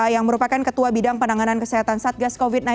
yang merupakan ketua bidang penanganan kesehatan satgas covid sembilan belas